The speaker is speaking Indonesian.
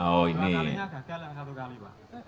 yang satu kali kadang gagal pak